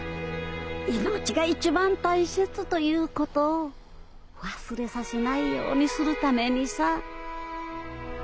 命が一番大切ということを忘れさせないようにするためにさぁ。